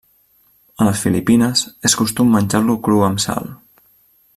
A les Filipines és costum menjar-lo cru amb sal.